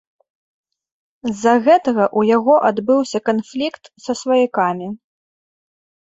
З-за гэтага ў яго адбыўся канфлікт са сваякамі.